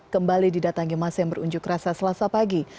kembali didatangi masa yang berunjuk rasa selasa pagi